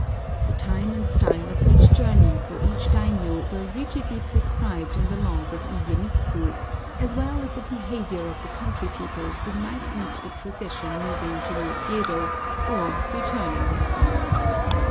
The time and style of each journey for each daimiō were rigidly prescribed in the laws of Iyémitsŭ, as well as the behavior of the country people who might meet the procession moving towards Yedo, or returning therefrom.